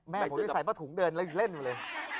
แม่ของผมจะใส่ประถุงเดินแล้วเล่นอยู่เลย